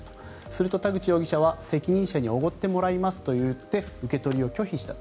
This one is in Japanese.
すると田口容疑者は責任者におごってもらいますと言って受け取りを拒否した。